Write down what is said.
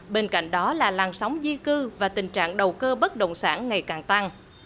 bên cạnh đó là làn sóng di cư và tình trạng đầu cơ bất động sản ngày càng tăng